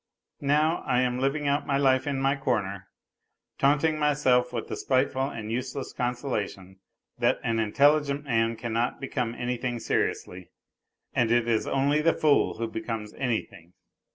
Now, I am living out my life in my corner, taunting myself with the spite ful and useless consolation that an intelligent man cannot become anything seriously, and it is only the fool who becomes anything.